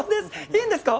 いいんですか？